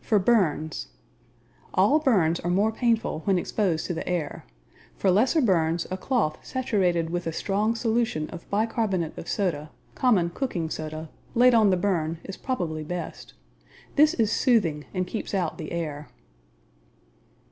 For Burns All burns are more painful when exposed to the air. For lesser burns a cloth saturated with a strong solution of bicarbonate of soda (common cooking soda) laid on the burn is probably best. This is soothing and keeps out the air.